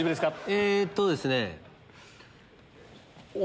えっとですね。